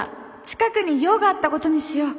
近くに用があったことにしよう。